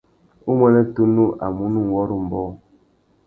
Umuênê tunu a munú nʼwôrrô umbōh.